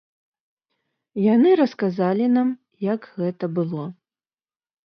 Яны расказалі нам, як гэта было.